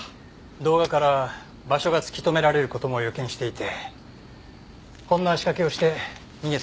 動画から場所が突き止められる事も予見していてこんな仕掛けをして逃げたんでしょうか。